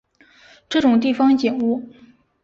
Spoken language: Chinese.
这种地方景物